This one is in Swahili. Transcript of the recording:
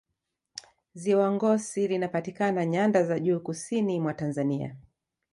ziwa ngosi linapatikana nyanda za juu kusini mwa tanzania